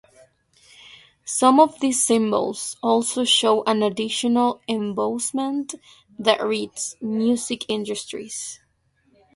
Some of these cymbals also show an additional embossment that reads: "Music Industries".